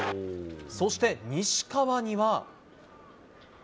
そして、西川には。